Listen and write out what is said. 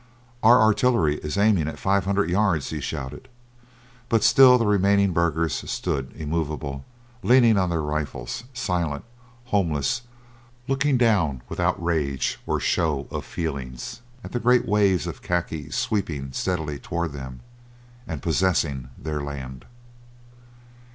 "Our artillery is aiming at five hundred yards," he shouted, but still the remaining burghers stood immovable, leaning on their rifles, silent, homeless, looking down without rage or show of feeling at the great waves of khaki sweeping steadily toward them, and possessing their land.